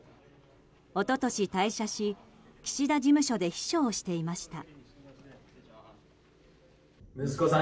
一昨年、退社し岸田事務所で秘書をしていました。